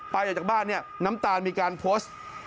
ออกจากบ้านเนี่ยน้ำตาลมีการโพสต์